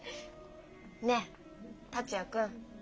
ねえ達也君。